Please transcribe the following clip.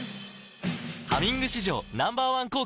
「ハミング」史上Ｎｏ．１抗菌